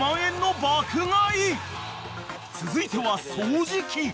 ［続いては掃除機］